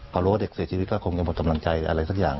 พอรู้ว่าเด็กเสียชีวิตก็คงจะหมดกำลังใจอะไรสักอย่าง